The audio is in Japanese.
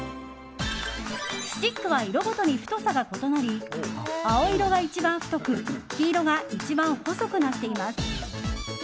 スティックは色ごとに太さが異なり青色が一番太く黄色が一番細くなっています。